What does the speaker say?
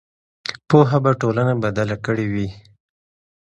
پوهه به ټولنه بدله کړې وي.